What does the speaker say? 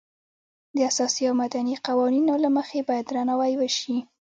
د اساسي او مدني قوانینو له مخې باید درناوی وشي.